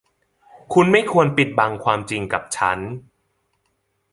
คุณไม่ควรปิดบังความจริงกับฉัน